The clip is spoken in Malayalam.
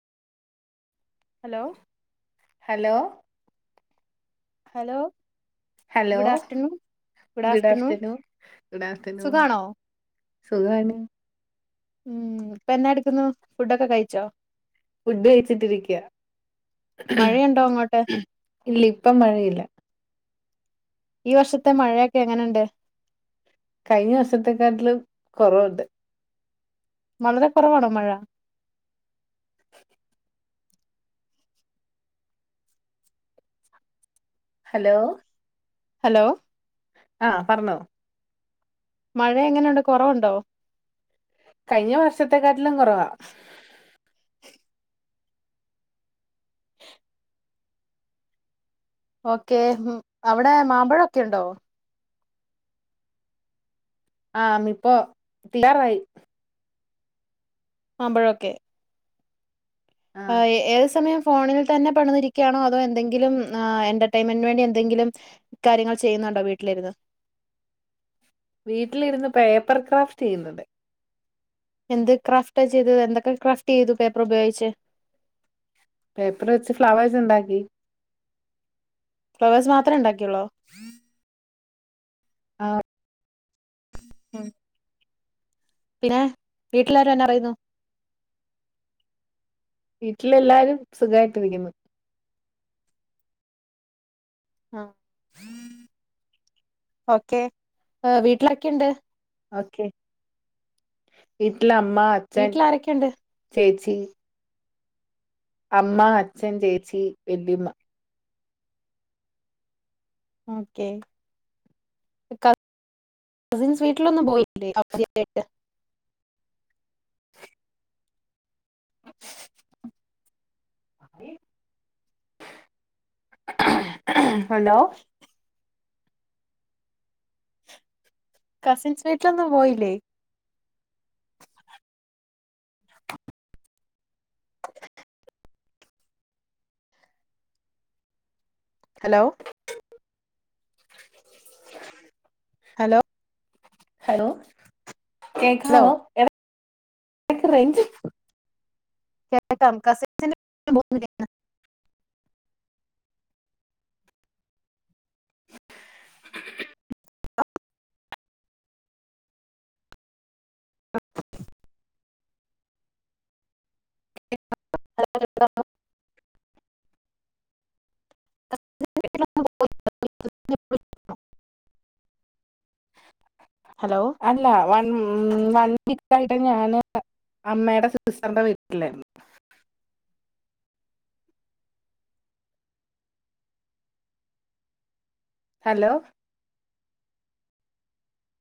hello hello hello hello good afternoon good afternoon good afternoon സുഖാണോ സുഖാണ് ഉം ഇപ്പ എന്നാ എടുക്കുന്നു ഫുഡൊക്കെ കഴിച്ചോ ഫുഡ് കഴച്ചിട്ടിരിക്കുക മഴയുണ്ടോ അങ്ങോട്ട് ഇല്ല ഇപ്പ മഴയില്ല ഈ വർഷത്തെ മഴയൊക്കെ എങ്ങനെയുണ്ട് കഴിഞ്ഞ വർഷത്തെക്കാട്ടിലും കുറവുണ്ട് വളരെ കുറവാണോ മഴ ഹലോ ഹലോ ആഹ് പറഞ്ഞോ മഴ എങ്ങനെയുണ്ട് കുറവുണ്ടോ കഴിഞ്ഞ വർഷത്തെക്കാട്ടിലും കുറവാ ഓക്കെ അവിടെ മാമ്പഴൊക്കെ ഉണ്ടോ ആഹ് ഇപ്പോ തീരാറായി മാമ്പഴൊക്കെ ആ ആഹ് ഏത് സമയം ഫോണിൽ തന്നെ പണിതിരിക്കുകയാണോ അതോ എന്തെങ്കിലും എന്റർടൈയിൻമെന്ന് വേണ്ടി എന്തെങ്കിലും കാര്യങ്ങൾ ചെയ്യുന്നുണ്ടോ വീട്ടിലിരുന്ന് വീട്ടിലിരുന്ന് പേപ്പർ ക്രാഫ്റ്റ് ചെയ്യുന്നുണ്ട് എന്ത് ക്രാഫ്റ്റ് ചെയ്ത് എന്തൊക്കെ ക്രാഫ്റ്റ് ചെയ്തു പേപ്പർ ഉപയോഗിച്ച് പേപ്പർ വെച്ച് ഫ്ലവേഴ്സ് ഉണ്ടാക്കി ഫ്ലവേഴ്സ് മാത്രെ ഉണ്ടാക്കിയൊള്ളൂ ആഹ് ഉം പിന്നെ വീട്ടിലാരും എന്നാ പറയുന്നു വീട്ടിൽ എല്ലാരും സുഖമായിട്ട്ിരിക്കുന്നു ആഹ ഓക്കെ വീട്ടിലരൊക്കെ ഉണ്ട് ഓക്കെ വീട്ടിലമ്മ അ വീട്ടിൽ ആരൊക്കെയുണ്ട് ചേച്ചി അമ്മ അച്ഛൻ ചേച്ചി വെല്ലിയമ്മ ഓക്കെ കസിൻസ് വീട്ടിലൊന്നും പോയില്ലേ അവധിയായിട്ട് ഹലോ കസിൻസ് വീട്ടിലൊന്നും പോയില്ലേ ഹലോ ഹലോ ഹലോ ഹലോ കേക്കവോ ഇടയ്ക്കു റേഞ്ച് കേക്കാം കസിൻസിന്റെ [unintelligible] [unintelligible] ഹലോ അല്ല വൺ വൺ വീക്ക് ആയിട്ട് ഞാൻ അമ്മയുടെ സിസ്റ്ററിന്റെ വീട്ടില് ഹലോ